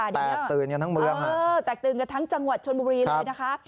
แตกตื่นกันทั้งเมืองแตกตื่นกันทั้งจังหวัดชนบุรีเลยนะคะ